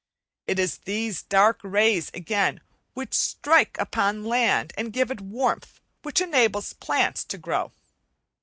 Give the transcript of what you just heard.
It is these dark rays, again, which strike upon the land and give it the warmth which enables plants to grow.